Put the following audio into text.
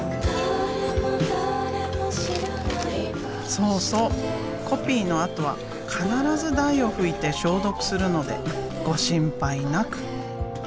そうそうコピーのあとは必ず台を拭いて消毒するのでご心配なく。